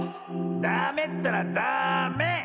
ダメったらダメ！